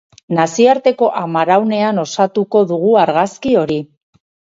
Nazioarteko amaraunean osatuko dugu argazki hori.